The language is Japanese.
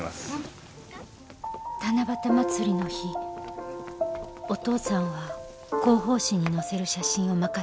七夕祭りの日お父さんは広報誌に載せる写真を任されていて。